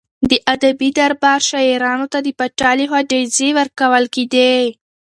د ادبي دربار شاعرانو ته د پاچا لخوا جايزې ورکول کېدې.